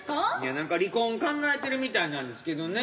なんか離婚考えてるみたいなんですけどね。